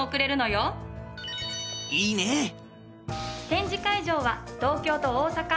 展示会場は東京と大阪。